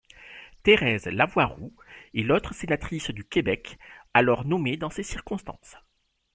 Thérèse Lavoie-Roux est l'autre sénatrice du Québec alors nommée dans ces circonstances.